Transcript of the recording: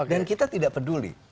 dan kita tidak peduli